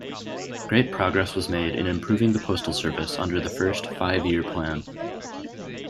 Great progress was made in improving the postal service under the First Five-Year Plan.